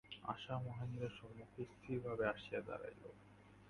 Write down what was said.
আশা মহেন্দ্রের সম্মুখে স্থিরভাবে আসিয়া দাঁড়াইল।